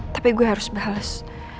tapi hui harus bales